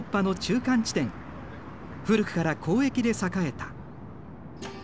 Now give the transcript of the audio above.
古くから交易で栄えた。